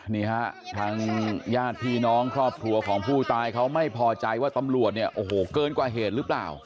นี่ฮะทางญาติพี่น้องครอบครัวของผู้ตายเขาไม่พอใจว่าตำรวจเนี่ยโอ้โหเกินกว่าเหตุหรือเปล่า